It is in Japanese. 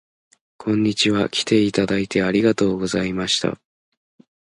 こんにちは。きていただいてありがとうございました